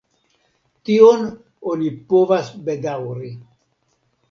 Tion oni povas bedaŭri.